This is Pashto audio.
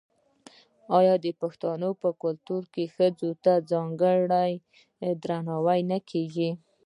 آیا د پښتنو په کلتور کې ښځو ته ځانګړی درناوی نه کیږي؟